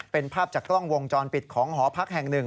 เป็นภาพจากกล้องวงจรปิดของหอพักแห่งหนึ่ง